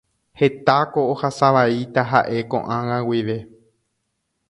Hetáko ohasavaíta ha'e ko'ág̃a guive.